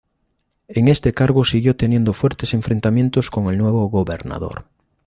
En este cargo siguió teniendo fuertes enfrentamientos con el nuevo gobernador.